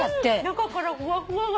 中からふわっふわが。